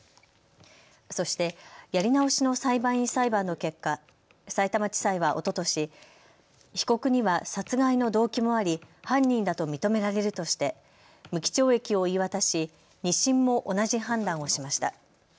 そして、やり直しの裁判員裁判の結果、さいたま地裁はおととし、被告には殺害の動機もあり犯人だと認められるとして無期懲役を言い渡し２審も同じ判断をしました。